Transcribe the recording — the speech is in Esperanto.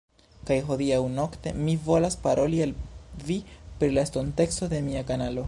Kaj hodiaŭ-nokte mi volas paroli al vi pri la estonteco de mia kanalo